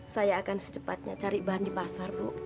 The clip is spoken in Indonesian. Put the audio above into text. saya akan secepatnya cari bahan di pasar bu